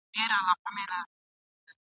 غوړه مړۍ مي د خورکۍ ترستوني نه رسیږي ..